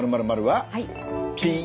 はい。